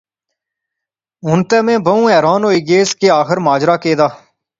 ہن تے میں بہوں حیران ہوئی گیس کہ آخر ماجرا کہہ دا؟